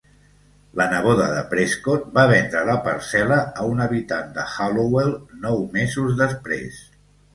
La neboda de Prescott va vendre la parcel·la a un habitant de Hallowell nou mesos després.